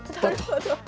なるほど。